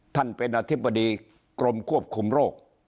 ท่านเป็นอธิบดีกรมควบคุมโรค